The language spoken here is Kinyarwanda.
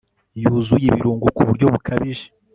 yuzuye ibirungo ku buryo bukabije